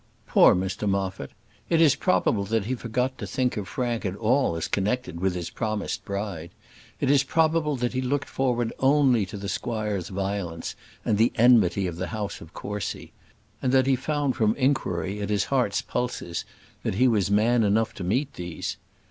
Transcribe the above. Poor Mr Moffat! it is probable that he forgot to think of Frank at all as connected with his promised bride; it is probable that he looked forward only to the squire's violence and the enmity of the house of Courcy; and that he found from enquiry at his heart's pulses, that he was man enough to meet these.